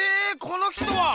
この人は！